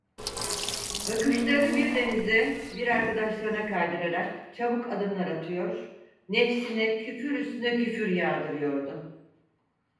Bakışlarını bir denize, bir arkadaşlarına kaydırarak çabuk adımlar atıyor, nefsine küfür üstüne küfür yağdırıyordu.